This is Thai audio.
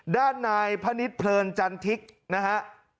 ด้านนายพนิษฐเพลินจันทิกนะฮะ